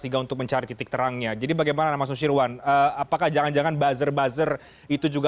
kita harus mengangkat dari titik terangnya jadi bagaimana mas susirwan apakah jangan jangan buzzer buzzer itu juga